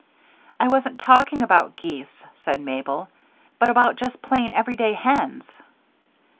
"I wasn't talking about geese," said Mabel, "but about just plain everyday hens."